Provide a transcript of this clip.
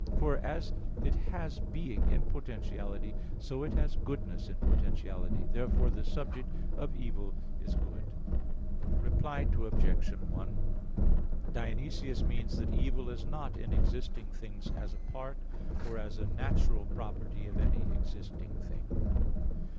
For as it has being in potentiality, so has it goodness in potentiality. Therefore, the subject of evil is good. Reply Obj. 1: Dionysius means that evil is not in existing things as a part, or as a natural property of any existing thing.